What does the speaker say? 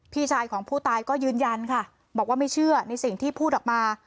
พี่ชายของผู้ตายก็ยืนยันค่ะบอกว่าไม่เชื่อในสิ่งที่พูดออกมา